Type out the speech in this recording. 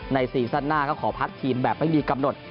ในซีซันน่าก็ขอพักถีมแบบให้ดีกำหนด